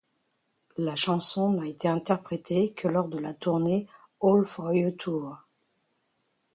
La chanson n'a été interprétée que lors de la tournée All for You Tour.